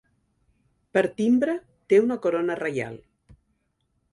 Per timbre té una corona reial.